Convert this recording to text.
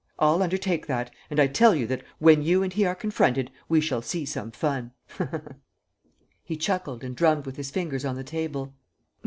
"I'll undertake that, and I tell you that, when you and he are confronted, we shall see some fun." He chuckled and drummed with his fingers on the table.